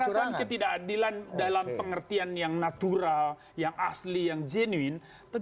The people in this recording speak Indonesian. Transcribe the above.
bukan ketidakadilan dalam pengertian yang natural yang asli yang jenuin